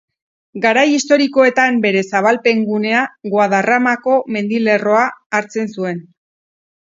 Garai historikoetan bere zabalpen gunea Guadarramako mendilerroa hartzen zuen.